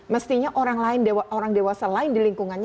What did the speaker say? mestinya orang dewasa lain di lingkungannya